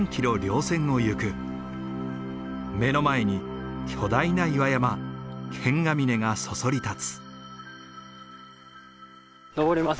目の前に巨大な岩山剣ヶ峰がそそり立つ。